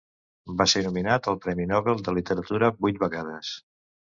Va ser nominat al Premi Nobel de Literatura vuit vegades.